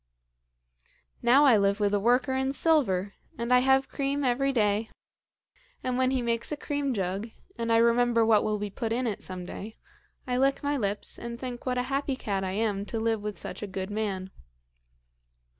Now I live with a worker in silver, and I have cream every day; and when he makes a cream jug, and I remember what will be put in it some day, I lick my lips, and think what a happy cat I am to live with such a good man.